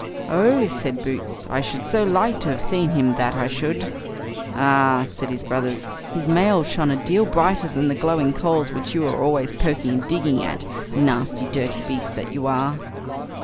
"Oh!" said Boots, "I should so like to have seen him, that I should." "Ah! "said his brothers, "his mail shone a deal brighter than the glowing coals which you are always poking and digging at; nasty dirty beast that you are."